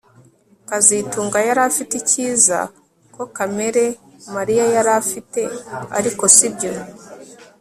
kazitunga yari afite icyiza ko kamera Mariya yari afite ariko sibyo